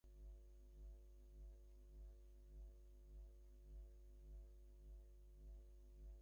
জ্ঞানবিজ্ঞান সম্বন্ধে আমাদের এত গর্ব সত্ত্বেও আমাদের যুক্তির কতকগুলি মূল উপাদান বড়ই অদ্ভুত ধরনের।